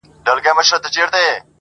ما یي پر غاړه آتڼونه غوښتل،